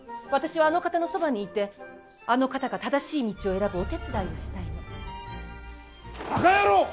私はあの方のそばにいてあの方が正しい道を選ぶお手伝いをしたいの。